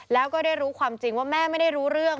แล้วก็ได้รู้ความจริงว่าแม่ไม่ได้รู้เรื่อง